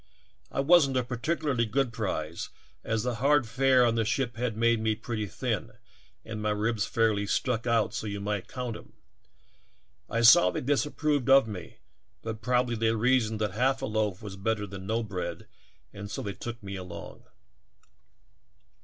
I wasn't a particularly good prize, as the hard fare on the ship had made me pretty thin "I WAS IN THE MIDDLE OP A GROUP OF NATIVES." and my ribs fairly stuck out so you might count 'em. I saw they disapproved of me but probabl}^ they reasoned that half a loaf was better than no bread and so they took me along.